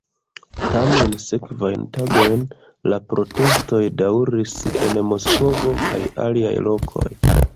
Tamen sekvajn tagojn la protestoj daŭris en Moskvo kaj aliaj lokoj.